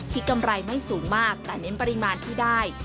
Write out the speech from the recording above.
กำไรไม่สูงมากแต่เน้นปริมาณที่ได้